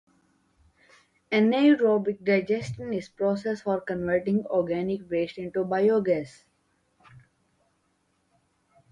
Anaerobic digestion is process for converting organic waste into biogas.